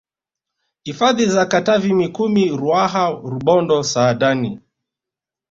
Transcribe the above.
Hifadhi za Katavi Mikumi Ruaha Rubondo Saadani